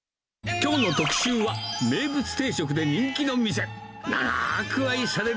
きょうの特集は、名物定食で人気の店。